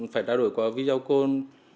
phải trao đổi qua video call